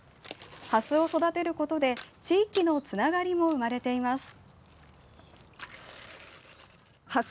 ハスを育てることで地域のつながりも生まれています。